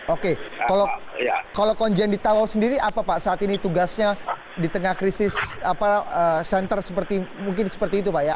oke kalau konjen ditawa sendiri apa pak saat ini tugasnya di tengah krisis center seperti mungkin seperti itu pak ya